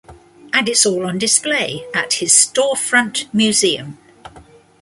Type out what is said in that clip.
And it's all on display at his storefront 'museum'.